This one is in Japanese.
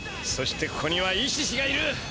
そしてここにはイシシがいる。